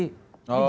oh efek belum pasti